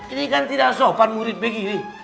ini kan tidak sopan murid begini